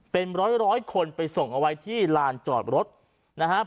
เป็นร้อยร้อยคนไปส่งเอาไว้ที่ลานจอดรถนะครับ